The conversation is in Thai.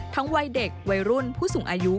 วัยเด็กวัยรุ่นผู้สูงอายุ